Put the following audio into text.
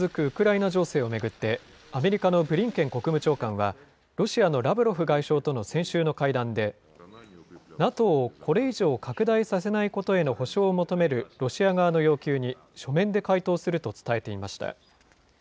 ウクライナ情勢を巡って、アメリカのブリンケン国務長官は、ロシアのラブロフ外相との先週の会談で、ＮＡＴＯをこれ以上拡大させないことへの保証を求めるロシア側の要求に、書面で回答すると伝えていました。